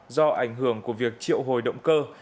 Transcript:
do ảnh hưởng của việc triệu hồi động cơ